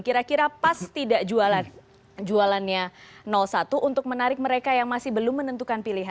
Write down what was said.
kira kira pas tidak jualannya satu untuk menarik mereka yang masih belum menentukan pilihan